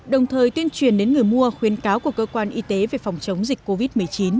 đồng thời tuyên truyền đến người mua khuyên cáo của cơ quan y tế về phòng chống dịch covid một mươi chín